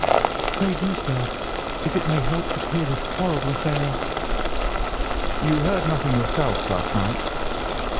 "Pray do, sir, if it may help to clear this horrible affair up." "You heard nothing yourself last night?"